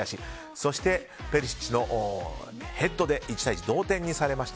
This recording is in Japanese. そしてペリシッチのヘッドで１対１と同点にされました。